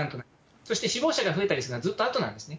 そして、死亡者が増えたりするのはずっとあとなんですね。